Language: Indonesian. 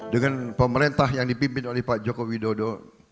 dengan pemerintah yang dipimpin oleh pak jokowi dodo